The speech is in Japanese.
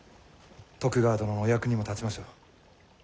徳川殿のお役にも立ちましょう。